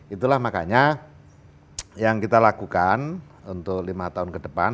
itulah makanya yang kita lakukan untuk lima tahun ke depan